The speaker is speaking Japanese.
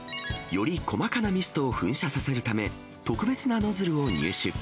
より細かなミストを噴射させるため、特別なノズルを入手。